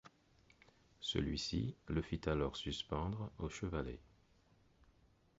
Celui-ci le fit alors suspendre au chevalet.